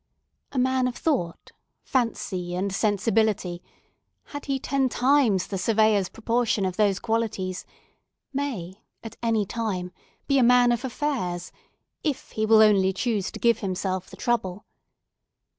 A man of thought, fancy, and sensibility (had he ten times the Surveyor's proportion of those qualities), may, at any time, be a man of affairs, if he will only choose to give himself the trouble.